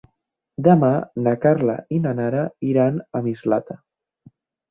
Demà na Carla i na Nara iran a Mislata.